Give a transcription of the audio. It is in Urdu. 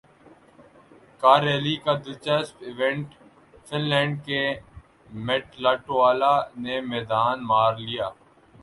کارریلی کا دلچسپ ایونٹ فن لینڈ کے میٹ لاٹوالہ نے میدان مار لیا